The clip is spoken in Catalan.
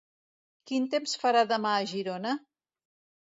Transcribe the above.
Quin temps farà demà a Girona?